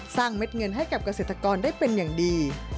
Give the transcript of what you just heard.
เม็ดเงินให้กับเกษตรกรได้เป็นอย่างดี